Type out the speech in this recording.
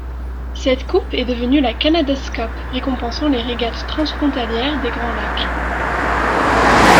Cette coupe est devenue la Canada's Cup récompensant les régates transfrontalières des Grands Lacs.